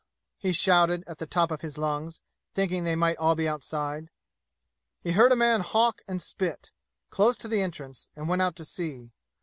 he shouted at the top of his lungs, thinking they might all be outside. He heard a man hawk and spit, close to the entrance, and went out to see.